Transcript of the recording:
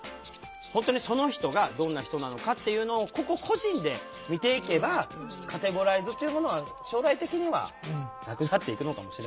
本当にその人がどんな人なのかっていうのを個々個人で見ていけばカテゴライズっていうものは将来的にはなくなっていくのかもしれないね。